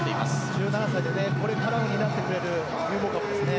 １７歳でこれからを担ってくれる有望株ですね。